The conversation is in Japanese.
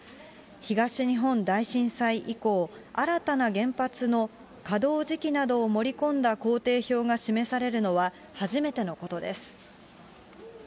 東日本大震災以降、新たな原発の稼働時期などを盛り込んだ行程表が示されるのは初めてのことです。